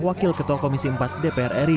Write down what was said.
wakil ketua komisi empat dpr ri